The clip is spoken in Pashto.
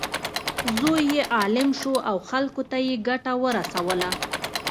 زوی یې عالم شو او خلکو ته یې ګټه ورسوله.